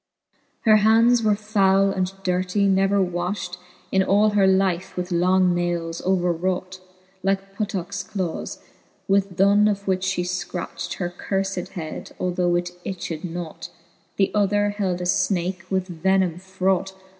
Her hands were foule and durtie, never wafbt, In all her life, with long nayles over raught, Like puttockes clawcs ; with th'one of which {he fcracht Her curfed head, although it itched naught ;, The other held a fnake with venime fraught.